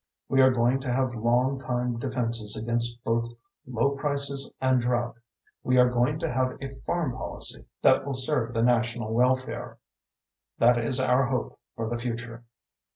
We are going to have long time defenses against both low prices and drought. We are going to have a farm policy that will serve the national welfare. That is our hope for the future.